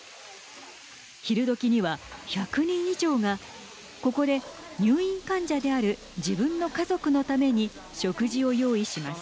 昼どきには１００人以上がここで入院患者である自分の家族のために食事を用意します。